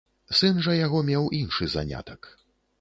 Сын жа яго меў іншы занятак.